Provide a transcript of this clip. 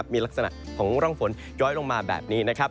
มีลักษณะของร่องฝนย้อยลงมาแบบนี้นะครับ